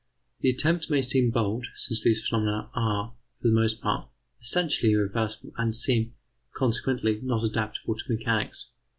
The attempt may seem bold, since these phenomena are, for the most part, essentially irreversible, and seem, consequently, not adaptable to mechanics.